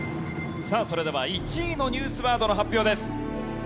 さあそれでは１位のニュースワードの発表です。